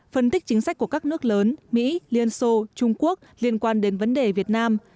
phân tích chính sách của các nước lớn mỹ liên xô trung quốc liên quan đến vấn đề việt nam